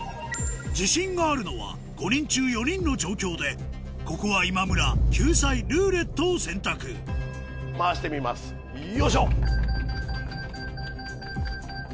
自信があるのは５人中４人の状況でここは今村救済「ルーレット」を選択回してみますよいしょ！